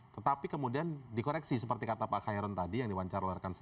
tetapi kemudian dikoreksi seperti kata pak khairon tadi yang diwancar oleh rakan saya